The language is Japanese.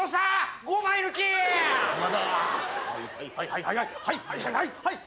はいはい。